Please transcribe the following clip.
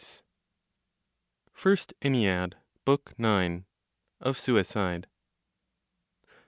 FIRST ENNEAD, BOOK NINE. Of Suicide.